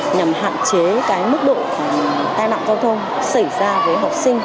nhằm hạn chế cái mức độ tai nạn giao thông xảy ra với học sinh